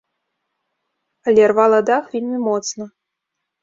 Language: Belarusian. Але рвала дах вельмі моцна.